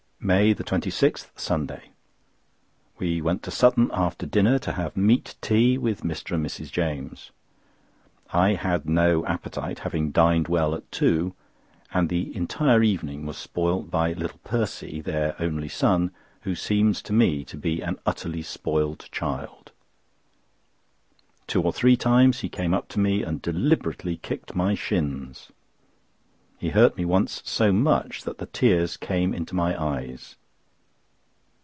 MAY 26, Sunday.—We went to Sutton after dinner to have meat tea with Mr. and Mrs. James. I had no appetite, having dined well at two, and the entire evening was spoiled by little Percy—their only son—who seems to me to be an utterly spoiled child. Two or three times he came up to me and deliberately kicked my shins. He hurt me once so much that the tears came into my eyes.